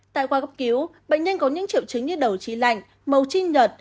tại khoa cấp cứu bệnh nhân có những triệu chứng như đầu trí lạnh màu trí nhợt